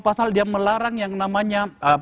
pasal dia melarang yang namanya